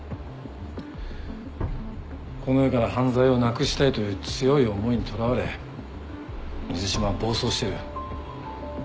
この世から犯罪をなくしたいという強い思いにとらわれ水島は暴走してる。